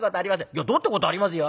「いやどうってことありますよ」。